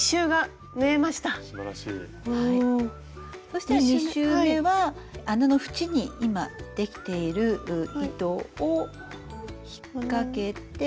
そしたら２周めは穴の縁に今できている糸を引っかけて。